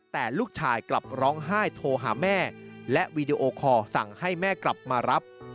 แต่ลูกชายกลับร้องไห้โทรหาแม่และวีดีโอคอร์สั่งให้แม่กลับมารับ